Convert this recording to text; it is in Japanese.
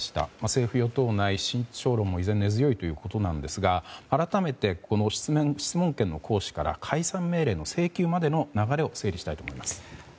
政府・与党内、慎重論も依然、根強いということですが改めて質問権の行使から解散命令の請求までの流れを整理したいと思います。